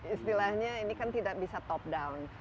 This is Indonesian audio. istilahnya ini kan tidak bisa top down